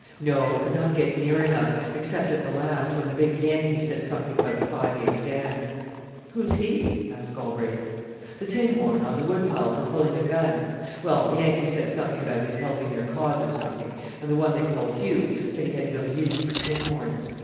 "No; could not get near enough, except at the last, when the big Yankee said something about Five Ace Dan." "Who's he?" asked Galbraith. "The tin horn on the Wood pile for pulling a gun. Well, the Yankee said something about his helping their cause or something; and the one they call Hugh said he had no use for tin horns.